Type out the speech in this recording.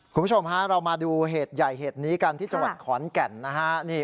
คุณผู้ชมฮะเรามาดูเหตุใหญ่เหตุนี้กันที่จังหวัดขอนแก่นนะฮะ